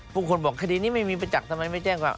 คนบอกคดีนี้ไม่มีประจักษ์ทำไมไม่แจ้งความ